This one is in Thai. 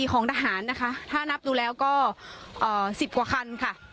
ของทหารนะคะถ้านับดูแล้วก็๑๐กว่าคันค่ะ